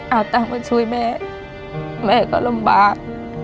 เอาตังค์มาช่วยแม่แม่ก็ลำบาก